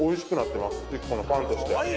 １個のパンとして。